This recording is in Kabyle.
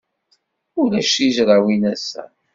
Ulac tizrawin ass-a.